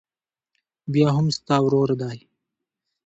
بيا هم ستا ورور دى.